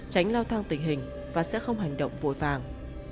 tránh lao thang tình hình và sẽ không hành động vội vàng